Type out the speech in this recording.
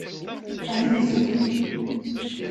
Aha init-d!